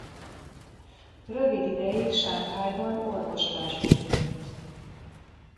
Rövid ideig Sanghajban orvoslásból élt.